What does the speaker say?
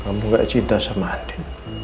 kamu gak cinta sama andi